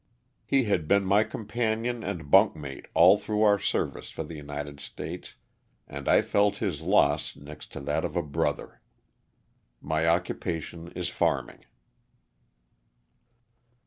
He had been my companion and bunkmate all through our service for the United States and I felt his loss next to that of a brother. My occupation is farming.